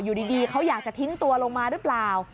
อยู่ดีเขาอยากจะทิ้งตัวลงมาหรือเปล่า